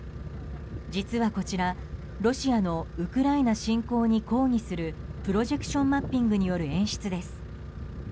実はこちら、ロシアのウクライナ侵攻に抗議するプロジェクションマッピングによる演出です。